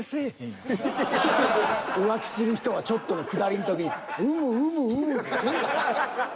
「浮気する人はちょっと」のくだりの時「うむうむうむ」じゃねぇ。